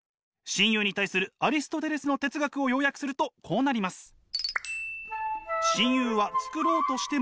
親友に対するアリストテレスの哲学を要約するとこうなります。